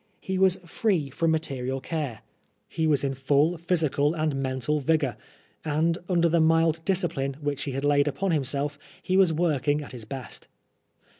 He was free from material care, he was in full physical and 30 Oscar Wilde mental vigour, and, under the mild discipline which he had laid upon himself, he was work ing at his best.